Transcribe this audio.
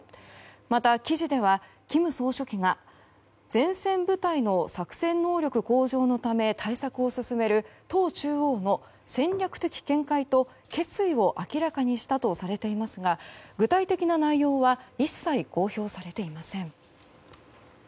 また、記事では金総書記が前線部隊の作戦能力向上のため対策を進める党中央の戦略的見解と決意を明らかにしたとされていますが具体的な内容は一切公表されていません。